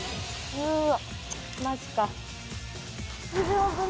うわ。